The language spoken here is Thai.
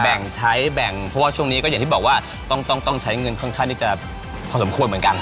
แบ่งใช้แบ่งเพราะว่าช่วงนี้ก็อย่างที่บอกว่าต้องใช้เงินค่อนข้างที่จะพอสมควรเหมือนกัน